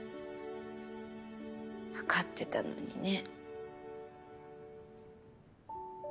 わかってたのにね。